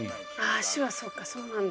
足はそっかそうなんだ。